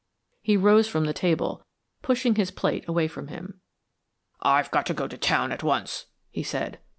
He rose from the table, pushing his plate away from him. "I've got to go to town at once," he said.